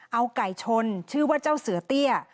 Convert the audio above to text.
เอาไก่ชนชื่อว่าเจ้าเสือเตี้ย